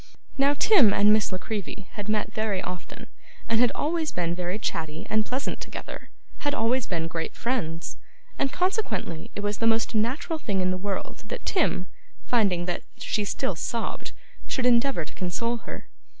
Now, Tim and Miss La Creevy had met very often, and had always been very chatty and pleasant together had always been great friends and consequently it was the most natural thing in the world that Tim, finding that she still sobbed, should endeavour to console her.